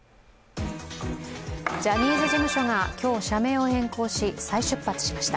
ジャニーズ事務所が今日、社名を変更し再出発しました。